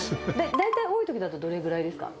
大体多いときだとどれぐらいですか？